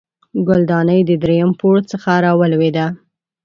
ګلدانۍ د دریم پوړ څخه راولوېده